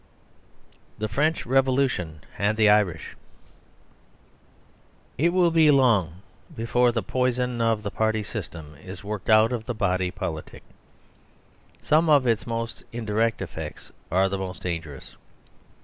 THE FRENCH REVOLUTION AND THE IRISH It will be long before the poison of the Party System is worked out of the body politic. Some of its most indirect effects are the most dangerous.